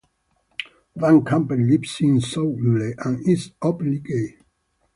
Van Campen lives in Zwolle and is openly gay.